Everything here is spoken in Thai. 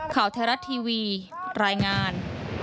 ข่าวไทยรัฐทีวีรายงาน